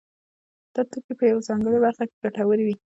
دا توکي په یوه ځانګړې برخه کې ګټور وي